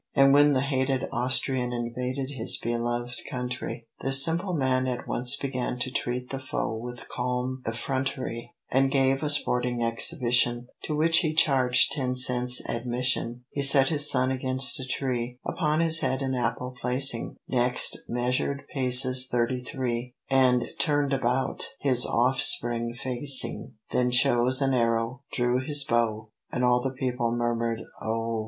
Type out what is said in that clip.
And when the hated Austrian Invaded his belovéd country, This simple man at once began To treat the foe with calm effront'ry, And gave a sporting exhibition, To which he charged ten cents admission. He set his son against a tree, Upon his head an apple placing, Next measured paces thirty three, And turned about, his offspring facing, Then chose an arrow, drew his bow, (And all the people murmured "Oh!")